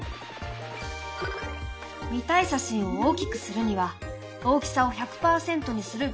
見たい写真を大きくするには「大きさを１００％にする」